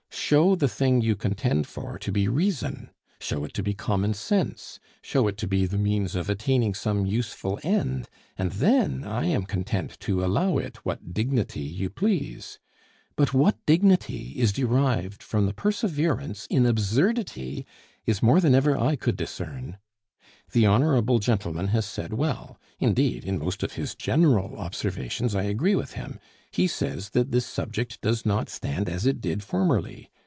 Show the thing you contend for to be reason; show it to be common sense; show it to be the means of attaining some useful end: and then I am content to allow it what dignity you please. But what dignity is derived from the perseverance in absurdity, is more than ever I could discern. The honorable gentleman has said well indeed, in most of his general observations I agree with him he says that this subject does not stand as it did formerly.